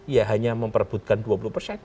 ya hanya memperebutkan dua puluh persen